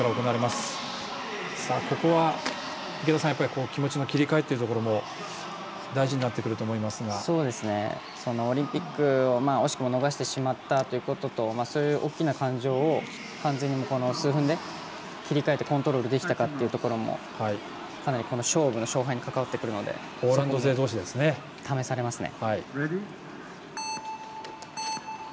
ここは、気持ちの切り替えがオリンピックを惜しくも逃してしまったということとそういう大きな感情を完全に数分で切り替えてコントロールできたかというところもかなり勝負の勝敗に関わってくるので試されますね。